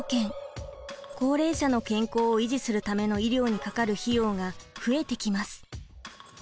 高齢者の健康を維持するための医療にかかる費用が増えてきます。